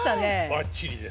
ばっちりです。